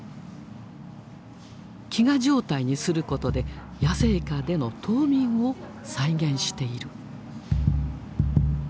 飢餓状態にすることで野生下での冬眠を再現している。